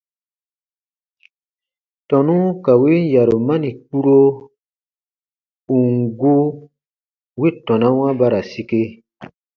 Tɔnu ka win yarumani kpuro, ù n gu, wi tɔnawa ba ra sike.